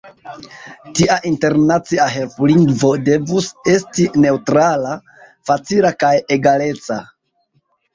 Tia internacia helplingvo devus esti neŭtrala, facila kaj egaleca.